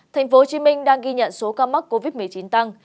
thành phố hồ chí minh đang ghi nhận số ca mắc covid một mươi chín tăng